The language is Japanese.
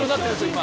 今。